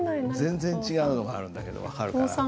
全然違うのがあるんだけど分かるかな？